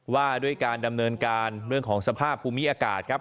ว่าด้วยการดำเนินการเรื่องของสภาพภูมิอากาศครับ